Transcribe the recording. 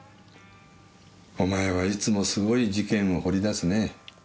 お前はいつもすごい事件を掘り出すねぇ。